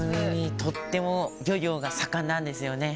とっても漁業が盛んなんですよね。